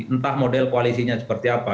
entah model koalisinya seperti apa